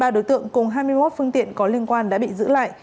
ba mươi ba đối tượng cùng hai mươi một phương tiện có liên quan đã bị giữ lại